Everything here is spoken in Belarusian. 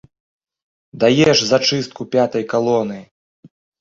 Даеш зачыстку пятай калоны!